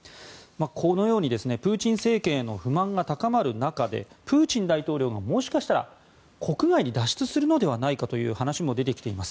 このようにプーチン政権への不満が高まる中でプーチン大統領がもしかしたら国外に脱出するのではないかという話も出てきています。